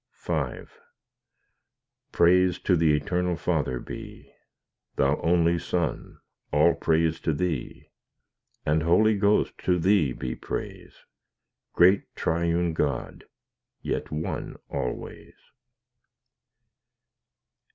V Praise to the Eternal Father be; Thou only Son, all praise to Thee; And Holy Ghost to Thee be praise, Great Triune God, yet One always.